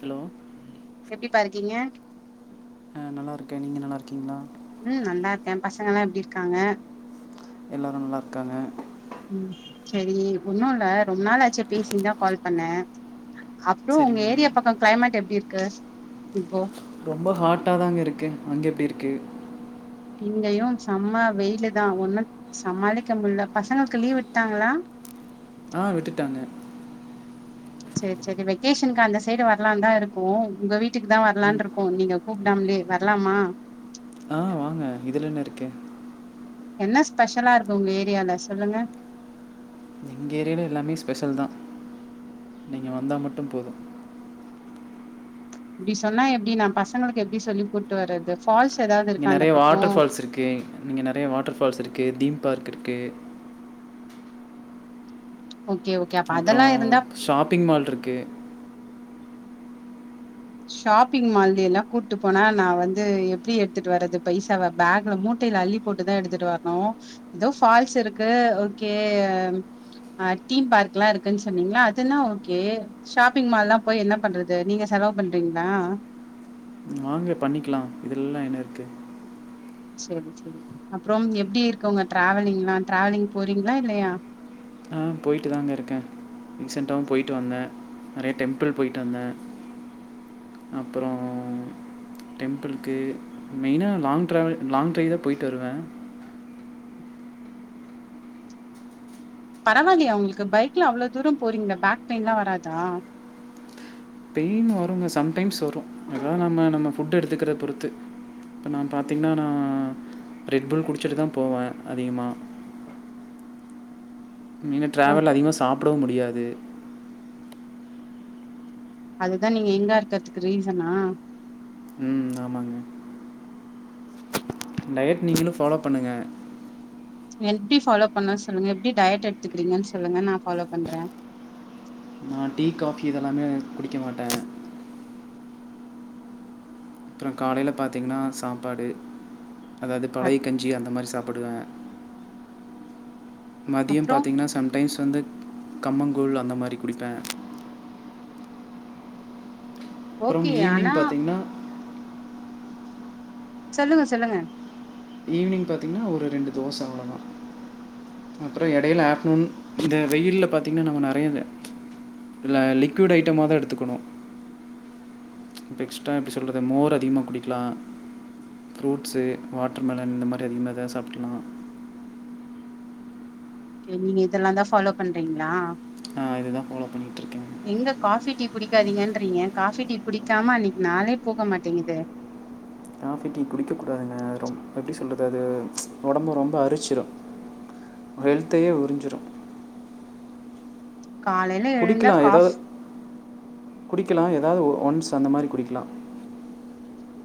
hello எப்டிப்பா இருக்கீங்க ஆ நல்லாருக்கே நீங்க நல்லாருக்கீங்ளா ம் நல்லாருக்கே பசங்கெல்லா எப்டி இருக்காங்க எல்லாரு நல்லார்க்காங்க ம் செரி ஒன்னு இல்ல ரொம்ப நாாளாச்சு பேசி அதா கால் பண்ணே அப்றோ உங்க சரிங்க ஏரியா பக்கோ க்ளைமேட் எப்டி இர்க்கு இப்போ ரொம்ப ஹாட்டா தாங்க இருக்கு அங்க எப்டி இருக்கு இங்கயு செம்ம வெயிலு தா ஒன்னு சமாளிக்க முட்ல பசங்கள்க்கு லீவ் விட்டாங்களா ஆ விட்டுட்டாங்க சேரி சேரி வெகேஷனுக்கு அந்த சைடு வர்லான்தா இருக்கோ உங்க வீட்டுக்கு தா ம் வர்லான்ருக்கோ நீங்க கூப்டாம்லே வர்லாமா ஆ வாங்க இதுலென்ன இருக்கு என்ன ஸ்பெஷலா இருக்கு உங்க ஏரியால சொல்லுங்க எங்க ஏரியால எல்லாமே ஸ்பெஷல் தா நீங்க வந்தா மட்டு போது இப்டி சொன்னா எப்டி நா பசங்களுக்கு எப்டி சொல்லி கூட்டு வரது ஃபால்ஸ் எதாவ்து இருக்கா அந்த பக்கோ ஸ் இருக்கு ம் இங்க நெறய வாட்டர்ஃபால்ஸ் இருக்கு தீம் பார்க் இருக்கு ஓகே ஓ அப்றோம் ஷாப்பிங் மால் இருக்கு ஷாப்பிங் மால்ல எல்லாம் கூட்டு போனா நா வந்து எப்டி எடுத்துட்டு வறது பைசாவ பேக்ல மூட் மூட்டைல அள்ளி போட்டுதான் எடுத்துட்டு வரணும் ஏதோ ஃபால்ஸ் இருக்கு ஓகே ஆஹ் தீம் பார்க்லாம் இருக்குன்னு சொன்னீங்களா அதெலாம் ஓகே ஷாப்பிங் மால்லாம் போய் என்ன பண்றது நீங்க செலவு பண்றீங்ளா வாங்க பண்ணிக்கலாம் இதெல எல்லாம் என்ன இருக்கு சேரி சேரி அப்புறோம் எப்டி இருக்கு உங்க டிராவலிங்லாம் டிராவலிங் போறீங்ளா இல்லயா ஆ போய்ட்டு தாங்க இருக்கேன் ரீசென்ண்டாவும் போயிட்டு வந்தேன் நறய டெம்பிள் போயிட்டு வந்தேன் அப்புறோம் டெம்பிள்க்கு மெயினா லாங் டிராவல் லாங் ட்ரைவ் தான் போயிட்டு வருவேன் பரவாலயா உங்ளுக்கு பைக்ல அவ்ளோ தூரம் போறீங்ளே பஃக் பெயின்லா வராதா பெயின் வருங்க சம்டைம்ஸ் வரும் அதான் நம்ம நம்ம ஃபுட் எடுத்துக்குறது பொறுத்து இப்ப நா பாத்தீங்கன்னா நா ரெட் புல் குடிச்சிட்டு தான் போவேன் அதிகமா நீங்க ஓ ட்ராவல்ல அதிகமா சாப்டவும் முடியாது அதுதான் நீங்க எங்கா இருக்கர்துக்கு ரீசனா ம் ஆமாங்க டயட் நீங்களு ஃபாலோ பண்ணுங்க எப்டி ஃபாலோ பண்ணு சொல்லுங்க எப்டி டயட் எடுத்துக்கிறீங்கன்னு சொல்லுங்க நா ஃபாலோ பண்றேன் நா டீ காபி இதெல்லாமே குடிக்க மாட்டேன் அப்றோ காலையில பாத்தீங்கன்னா சாப்பாடு அதாவது அ பழைய கன் ஞ்சி அந்த மாரி சாப்பிடுவேன் மதியோம் அப்றோ பாத்தீங்ன்னா சம் டைம்ஸ் வந்து கம்மங்கூழ் அந்த மாரி குடிப்பேன் அப்றோம் ஓகே ஆனா ஈவ்னி்ங் பாத்திங்ன்னா சொல்லுங்க சொல்லுங்க ஈவ்னிங் பாத்தீங்ன்னா ஒரு ரெண்டு தோச அவ்ளோதான் அப்றோ எடையில ஆப்டநூன் இந்த வெயில்ல பாத்தீங்ன்னா நம்ப நறைய இத இல்ல லிக்விட் ஐட்டமாதான் எடுத்துக்கணு இப்ப எக்ஸ்டா எப்டி சொல்றது மோர் அதிகமா குடிக்லாம் ப்ரூட்ஸ் வாட் டர்மெலன் இந்த மாரி அதிகமா எதாது சாப்ட்லாம் ஓகே நீங்க இதெல்லா தான் ஃபாலோ பண்றீங்ளா நா இததா ஃபாலோ பண்ணிட்ருக்கேன் எங்க காஃபி டீ குடிக்காதீங்கன்றீங்க காஃபி டீ குடிக்காம அன்னைக்கு நாளே போக மாட்டேங்குதே காஃபி டீ குடிக்க கூடாதுங்க ரொம் எப்டி சொல்றது அது ஒடம்பு ரொம்ப அரிச்சிரும் ஒரு ஹெல்த்தயே உறிஞ்சுரும் காலைல குடிக்கலா எதாது குடிக்கலாம் எதாவது ஒ ஒன்ஸ் அந்த மாரி குடிக்கலாம்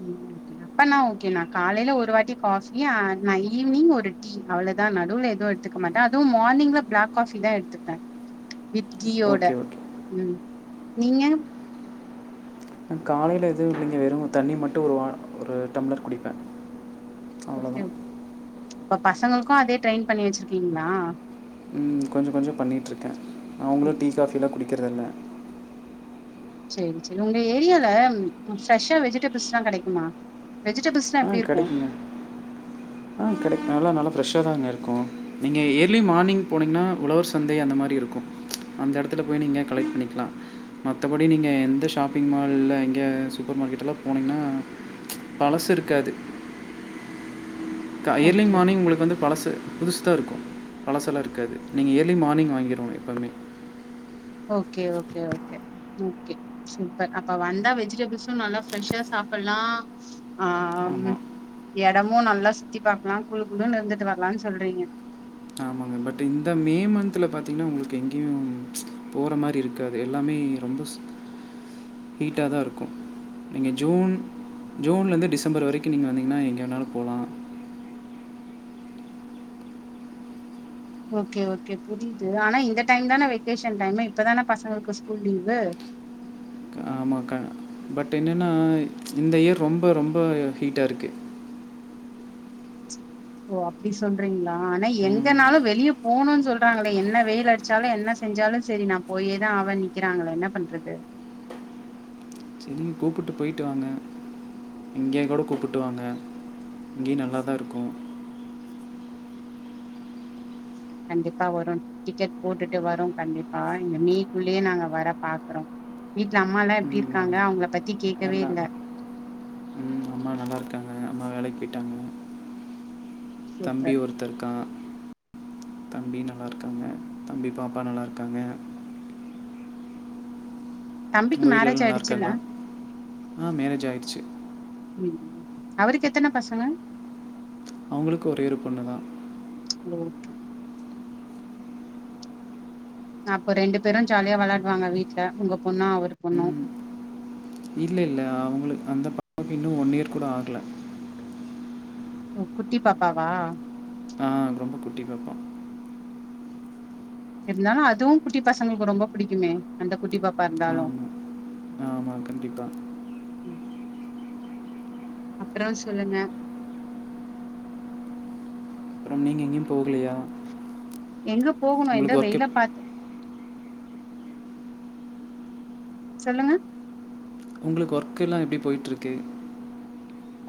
ம் ஓகே அப்பனா ஓகே நா காலையில ஒரு வாட்டி காபி அ நா ஈவ்னிங் ஒரு டீ டீ அவ்ளதான் நடுவுல எதும் எடுத்துக்க மாட்டேன் அதுவும் மான்னிங்ல பிளாக் காபி தான் எடுத்துப்பேன் வித் கீயோட ஓகே ஓகே ம் நீங்க நா காலைல எதுவு இல்லைங்க வெறு தண்ணி மட்டும் ஒரு வா ஒரு டம்ளர் குடிப்பன் ஓகே இப்ப பசங்களுக்கு அதே ட்ரெயின் பண்ணி வச்சிருக்கீங்ளா ம் கொஞ்சோ கொஞ்சோ பண்ணிட்ருக்கேன் அவுங்களும் டீ காஃபியிலா குடிக்கறதில்ல சேர் செரி உங்க ஏரியால ஃப்ரெஷ்ஷா வெஜிடேபிள்ஸ்லா கெடைக்குமா வெஜிடபில்ஸ் ஆ கடைக்குங்க ஆ கடக் நல்லா நல்லா ஃப்ரெஷ்ஷா தாங் இருக்கு நீங்க ஏர்லி மானிங் போனீங்னா உழவர் சந்தை அந்த மாரி இருக்கு அந்த எடத்துல போய் நீங்க கலெக் பண்ணிக்லா மத்தபடி நீங்க எந்த ஷாப்பிங் மால்ல எங்க சூப்பர் மார்க்கெட் எல்லா போனீங்னா பழசுருக்காது க ஏர்லி ஓகே மார்னிங் உங்களுக் வந்து பழசு புதுஸ்தா இருக்கு பழசலா இருக்காது நீங்க ஏர்லி மார்னிங் வாங்கிருவோங்கே எப்பமே okay okay okay okay super அப்ப வந்தா வெஜிடபிள்ஸு நல்லா ஃப்ரெஷ்ஷா சாப்பல்லா ஆ ஆம்மு ஆமாம் எடமு நல்லா சுத்தி பாக்லா குழு குழுன்னு இருந்துட்டு வர்லான் சொல்றீங்க அ பட் இந்த மே மந்த்ல பாத்தீங்னா உங்ளுக்கு எங்யு போற மாரி இருக்காது எல்லாமே ரொம்பஸ் ஹீட்டாதா இருக்கு நீங்க ஜூன் ஜூன்லந்து டிசம்பர் வரைக்கு நீங்க வந்தீங்னா எங்கே வேணால் போலா ஓகே ஓகே புரிய்து ஆனா இந்த டைம் தான வெகேஷன் டைமு இப்பதான பசங்கள்க்கு ஸ்கூல் லீவு கா ஆமாக்கா பட் என்னன்னா இந்த இயர் ரொம்ப ரொம்ப ஹீட்டாருக்கு ஓ அப்டி சொன்றீங்ளா ஆனா ம் எங்கனாலு வெளிய போணுன் சொல்றாங்களே என்ன வெயில் அடிச்சாலு என்னஸ் செஞ்சாலு சரி நா போயேதா ஆவன் நிக்கிறாங்களே என்ன பண்றது ம் கூப்பிட்டு போய்ட்டு வாங்க இங்கே கூட கூப்பிட்டு வாங்க இங்கே நல்லா தா இருக்கு கண்டிப்பா வருன் டிக்கெட் போட்டுட்டு வரு கண்டிப்பா இங்க மீக்குள்யே நாங்க வர பாக்கறோ வீட்ல அம்மாலா ம் எப்டி ஆமாம் இருக்காங்க அவ்ங்ள பத்தி கேக்கவே எல்லாம் இல்ல ம் அம்மா நல்லார்க்காங்க அம்மாவே வேலைக் போய்ட்டாங்க தம்பி சூப்பர் ஒருத்த இருக்கா தம்பி நல்லார்க்காங்க தம்பி பாப்பா நல்லார்க்காங்க உங்க தம்பிக்கு வீட்லல்லா மேரேஜ் ஆயிடுச்சுல்ல நல்லார்க்காங்ளா ஆ மேரேஜ் ஆய்ர்ச்சு ம் அவருக்கு எத்தன பசங்க அவ்ங்ளுக்கு ஒரே ஒரு பொண்ணு தா லோகே அப்போ ரெண்டு பேரு ஜாலியா வெளாட்வாங்க வீட்ல உங்க பொண்ணு அவர் பொண்ணு இல்ல இல்ல அவ்ங்ளு அந்த பா [inaudible] இன்னு ஒன் இயர் கூட ஆக்ல ஓ குட்டி பாப்பாவா ஆ ரொம்ப குட்டி பாப்பா இருந்தாலு அதுவு குட்டி பசங்களுக்கு ரொம்ப பிடிக்குமே அந்த குட்டி பாப்பா இர்ந்தாலு ஆமாம் ஆமாம் கண்டிப்பாக ம் அப்பறோ சொல்லுங்க ப்றோ நீங் எங்யு போக்லையா எங்க போகணு இத்தா வெயில பாத்து சொல்லுங்க உங்ளுக் ஒர்க் எல்லா எப்டி போய்ட்டுருக்கு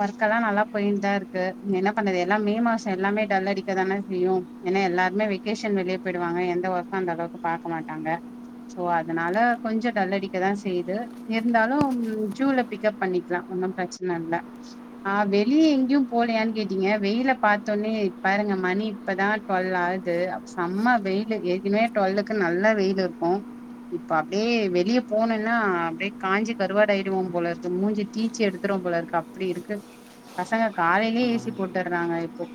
வர்க்கல்லா நல்லா போய்ன் தா இருக்கு நீ என்னா பண்ணுது எல்லா மே மாச எல்லாமே டல் அடிக்க தான செய்யு ஏனா எல்லாருமே வெக்கேஷன் வெளியே போயிடுவாங்க எந்த ஒர்க்கு அந்த அளவுக்கு பாக்க மாட்டாங்க சோ அதனால கொஞ்ச டல்லடிக்கதா செய்யுது இருந்தாலு ஜூல பிக்கப் பண்ணிக்கலா ஒன்னு பிர ச்சன இல்ல ஆ வெளியே எங்கியு போலையான்னு கேட்டீங்க வெயில்ல பாத்தோனே பாருங்க மணி இப்பதா டுவல் ஆகுது அப் செம்ம வெயிலு எற்கினே டுவெல்லுக்கு நல்ல வெயிலு இருக்கு இப்ப அப்டியே வெளியே போனன்னா அப்டியே காஞ்சி கருவாடு ஆயிடு போல இருக்கு மூஞ்சு தீச்சி எடுத் துருவ போல இருக்கு அப்டி இருக்கு பசங்க காலையிலே ஏ சி போட்டுறாங்க இப்போ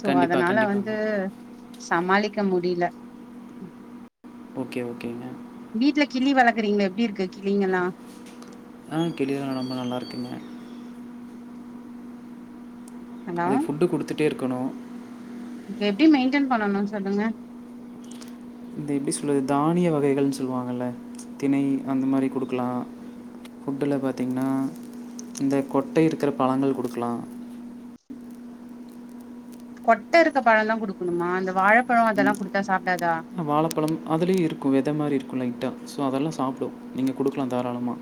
சோ கண்டிப்பாக அதனால கண்டிப்பாங்க வந்து சமாளிக்க முடியில ஓகே ஓகே ஓகேங்க வீட்ல கிளி வளர்குறீங்களே எப்டி இருக்கு கிளிங்கெல்லா ஆ கிளி எல்லா ரொம்ப நல்லாயிருக்குங்க ஹலோ அதுக்கு ஃபுட்டு குடுத்துட்டே இருக்குணு இப்ப எப்டி மெயின்டென் பண்ணணுனு சொல்லுங்க அது எப்டி சொல்றது தானிய வகைகள்னு சொல்லுவாங்கல்ல திணை அந்த மாதிரி குடுக்கலா ஃபுட்ல பாத்தீங்கன்னா இந்த கொட்டை இருக்குற பழங்கள் குடுக்கலா கொட்ட இருக்க பழோ தா குடுக்குணுமா இந்த வாழப்பழோ அதெல்லா குடுத்தா சாப்டாதா வாழப்பழம் அதுலையு இருக்கு வெத மாரி இருக்கு லைட்டா சோ அதெல்லா சாப்பிடு நீங்க குடுக்கலா தாராளமா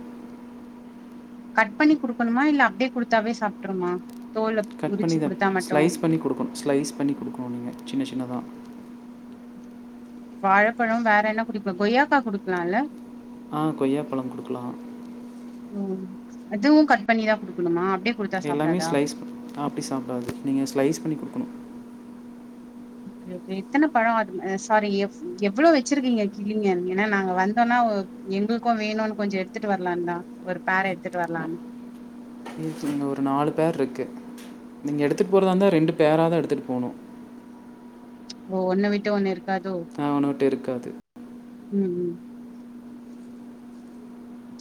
கட் பண்ணி குடுக்குணுமா இல்ல அப்டியே குடுத்தாவே சாப்ட்ருமா தோல கட் பண்ணி உரிச்சு தா குடுத்தா மட்டு ஸ்லைஸ் பண்ணி ஸ்லைஸ் பண்ணி குடுக்குணு நீங்க சின்ன சின்னதா வாழப்பழம் வேற என்ன குடிக்கு கொய்யாக்கா குடுக்கலால்ல ஆ கொய்யா பழம் குடுக்கலா ம் அதுவு கட் பண்ணிதா குடுக்குணுமா அப்டே எல்லாமே ஸ்லைஸ் அப்டி சாப்டாது நீங்க ஸ்லைஸ் பண்ணி குடுக்குனு ஓகே ஓகே எத்தனப் பழோ அது சாரி எவ்ளோ வெச்சிருக்கீங்க கிளிங்க ஏனா நாங்க வந்தோன்னா ஒரு எங்களுக்கு வேணுனு கொஞ்சோ எடுத்துட்டு வரலான்னு தா ஒரு பேர் எடுத்துட்டு வரலான்னு இங்க ஒரு நாலு பேர் இருக்கு நீங்க எடுத்துட்டு போறதா இருந்தா ரெண்டு பேரா தா எடுத்துட்டு போனு ஓ ஒன்ன விட்டு ஒண்ணு இருக்காதோ அ ஒன்னு விட்டு இருக்காது ம் ம்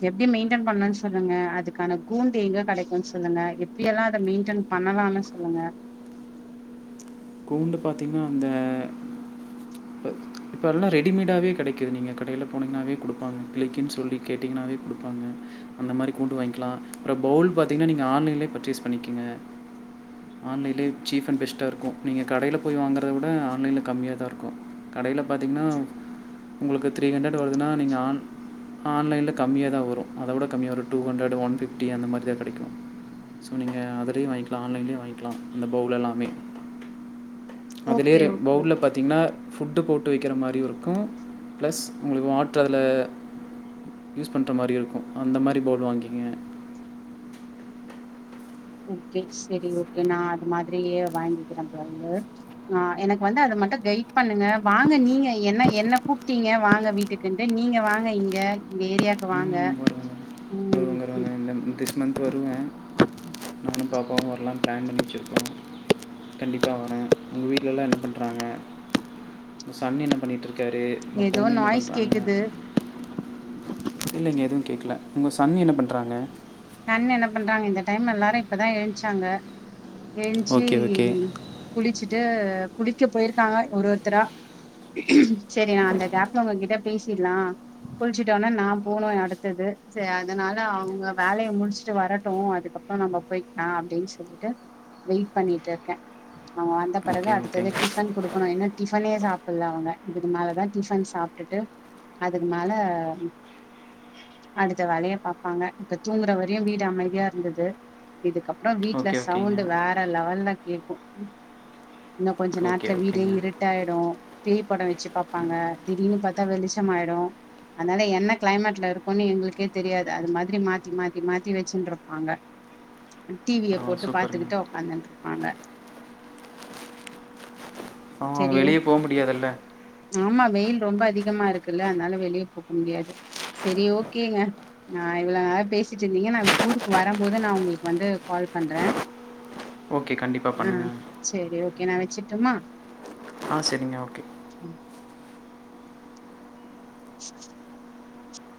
எப்டி மெயின்டென் பண்ணு சொல்லுங்க அதுக்கான கூண்டு எங்க கெடைக்குன்னு சொல்லுங்க எப்டியெல்லா அத மெயின்டன் பண்ணலான்னு சொல்லுங்க கூண்டு பாத்தீங்கன்னா அந்த ப இப்ப எல்லா ரெடிமேடாவே கெடைக்குது நீங்க கடையில போனீங்கன்னாவே குடுப்பாங்க கிளிக்கு சொல்லி கேட்டிங்னாவே குடுப்பாங்க அந்த மாரி கூண்டு வாங்கிக்கலா அப்றோ பவுல் பாத்தீங்ன்னா நீங்க ஆன்லைன்லயே பர்ச்சேஸ் பண்ணிக்கிங்க ஆன்லைன்லே சீஃப் அண்ட் பெஸ்ட்டாருக்கு நீங்க கடையில போய் வாங்கறத விட ஆன்லைன்ல கம்மியாதா இருக்கு கடையில பாத்திங்ன்னா உங்களுக்கு த்ரீ ஹண்ட்ரட் வருதுன்னா நீங்க ஆன் ஆன்லைன்ல கம்மியா தா வரு அத விட கம்மியா வரு டூ ஹண்ட்ரட் ஒன் பிஃப்டி அந்த மாரி தா கெடைக்கு ஸோ நீங்க அதுலயே வாங்கிலா ஆன்லைன்லே வாங்கிலா அந்த பவுல் எல்லாமே அதுலே ஓகே ரே ஓகே பவுல்ல ஓகே பாத்தீங்ன்னா ஃபுட்டு போட்டு வைக்கிற மாரியு இருக்கு ப்ளஸ் உங்ளுக்கு வாட்ர் அதுல யூஸ் பண்ற மாரியே இருக்கு அந்த மாரி பவுல் வாங்கிங்க ஓகே சரி ஓகே நா அது மாதிரி வாங்கிக்கிற பௌலு அ எனக்கு வந்து அத மட்டு கைட் பண்ணுங்க வாங்க நீங்க என்ன என்ன கூப்ட்டீங்க வாங்க வீட்டுக் குண்டு நீங்க வாங்க இங்க இந்த ஏரியாக்கு வாங்க ம் வருவேங்க ம் வருவேங்க வருவேங்க திஸ் மந்த் வருவே நானு பாப்பாவு வர்லானு ப்ளான் பண்ணி வச்சிருக்கே கண்டிப்பா வரே உங்க வீட்லல்லா என்ன பண்றாங்க உங்க சன் என்ன பண்ணிட்ருக்காரு உங்க ஏதோ பொண்ணு என்ன நாய்ஸ் பண்றாங்க கேக்குது இல்லைங்க எதுவு கேக்கல உங்க சன் என்ன பண்றாங்க சன் என்ன பண்றாங்க இந்த டைம்ல எல்லாரு இப்பதா எழ்ச்சாங்க எழுந்ச்சு ஓகே ஓகே குளிச்சிட்டு குளிக்க போயிருக்காங்க ஒரு ஒருத்தரா செரி நா அந்த கேப்ல உங்க கிட்ட பேசில்லா குளிச்சிட்டவொன்னே நா போனு அடுத்தது செரி அதனால அவுங்க வேலய முடிச்சுட்டு வரட்டு அதுக்கப்றோ நம்ம போய்க்கலா அப்டின்னு சொல்லிட்டு வெயிட் பண்ணிட்டுருக்க அவுங்க வந்த பிறகு ஓகே அடுத்தது ஓகேங்க டிஃபன் குடுக்கனு இன்னோ டிஃபனே சாப்பல்ல அவுங்க இதுக்கு மேலதா டிஃபன் சாப் ப்டுட்டு அதுக்கு மேல அடுத்த வேலைய பாப்பாங்க இப்ப தூங்குற வரையு வீடு அமைதியா இருந்துது இதுக்கப்றோ வீட்ல ஓகே ஓகேங்க சவுண்டு வேற லெவல்லக் கேக்கு இன்னோ கொஞ்ச ஓகே நேரத்ல வீடே ஓகேங்க இரு ட்டாயிடு பேய் படோ வெச்சு பாப்பாங்க திடீர்னு பா த்தா வெளிச்சம் ஆயிடு அதனால என்ன க்ளைமேட்ல இருக்கோன்னு எங்களுக்கே தெரியாது அது மா ரி மாத்தி மாத்தி மாத்தி வெச்சின்ருப்பாங்க டி விய பரவாயில்ல போட்டு சூப்பருங்க பாத்துக்கிட்டு ஒக்காந்துன் ருப்பாங்க பாவோ அவுங்க செரி ஓ வெளிய போ முடியாதுல்ல ஆமா வெயில் ரொம்ப அதிகமா இருக்குல்ல அதனால வெளிய போக முடியாது செரி ஓகேங்க நா இவ்ளோ நேரோ பேசிட்ருந்திங்க நா ஊருக்கு வரம் போது நா உங்களுக்கு வந்து கால் பண்ற ஓகே கண்டிப்பா பண்ணுங்க செரி ஓகே நா வெச்சிட்டும்மா ஆ செரிங்க ஓகேங்க ம்